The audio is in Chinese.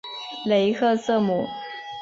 雷克瑟姆。